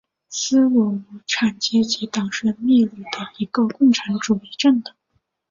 秘鲁无产阶级党是秘鲁的一个共产主义政党。